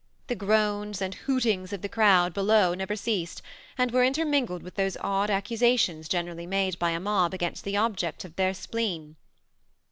The groans and hootings of the crowd below never ceased, and were intermingled with those odd accusations generally made by a mob against the ob jects of their spleen.